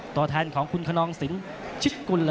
นักมวยจอมคำหวังเว่เลยนะครับ